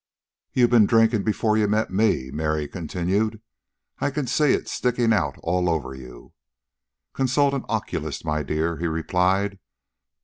"You've ben drinkin' before you met me," Mary continued. "I can see it stickin' out all over you." "Consult an oculist, my dear," he replied.